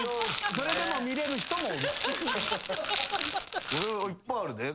それでも見れる人もおる。